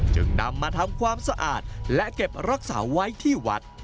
จึงนำมาทำความสะอาดและเก็บรักษาไว้ที่วัด